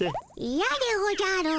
イヤでおじゃる。